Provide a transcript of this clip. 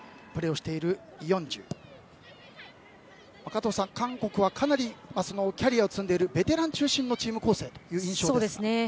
加藤さん、韓国はかなりキャリアを積んでいるベテラン中心のチーム構成という印象ですが。